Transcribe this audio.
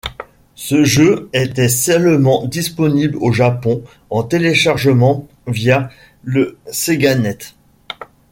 Ce jeu était seulement disponible au Japon en téléchargement via le SegaNet.